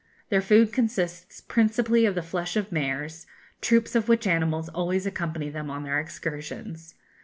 Their food consists principally of the flesh of mares, troops of which animals always accompany them on their excursions.